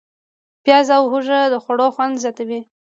پیاز او هوږه د خوړو خوند زیاتوي.